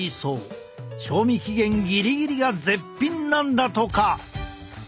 賞味期限ギリギリが絶品なんだとか！